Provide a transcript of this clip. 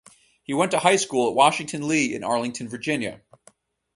He went to high school at Washington-Lee in Arlington, Virginia.